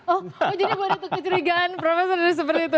oh jadi buat itu kecurigaan prof